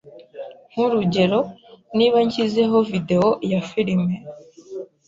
Nk’urugero, niba nshyizeho Videwo ya filime